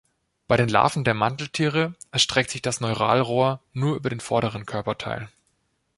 Bei den Larven der Manteltiere erstreckt sich das Neuralrohr nur über den vorderen Körperteil.